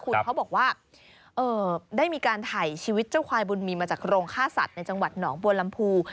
คุณเขาบอกว่าได้มีการถ่ายชีวิตเจ้าควายบุญมีมาจากโรงฆ่าสัตว์ในจังหวัดหนองบัวลำพู